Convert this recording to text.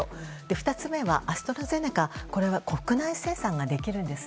２つ目は、アストラゼネカは国内生産ができるんです。